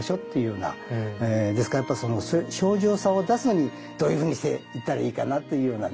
ですからその清浄さを出すのにどういうふうにしていったらいいかなっていうのはね